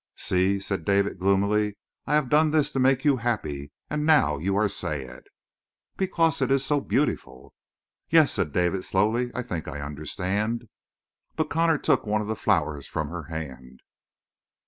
"See!" said David gloomily. "I have done this to make you happy, and now you are sad!" "Because it is so beautiful." "Yes," said David slowly. "I think I understand." But Connor took one of the flowers from her hand.